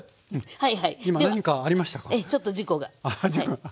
はい。